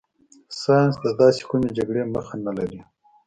ساینس د داسې کومې جګړې مخه نه لري.